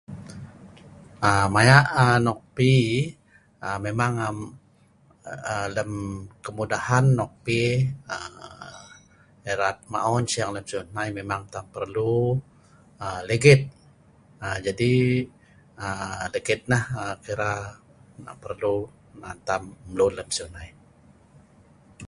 Aa maya aa anok pi, aa memang aa lem kemudahan nok pi, aa irat maon sing lem siu' hnai memang tam pelu aa ligit. aa jadi aa ligit nah kira nan perlu nan tam mlun lem siu' hnai'.